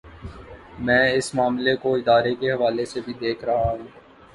میں اس معاملے کو ادارے کے حوالے سے بھی دیکھ رہا ہوں۔